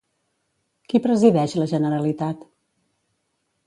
Qui presideix la Generalitat?